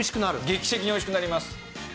劇的においしくなります。